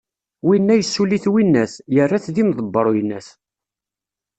Winna yessuli-t winnat, yerra-t d imeḍbeṛ uyennat.